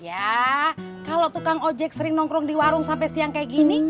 ya kalau tukang ojek sering nongkrong di warung sampai siang kayak gini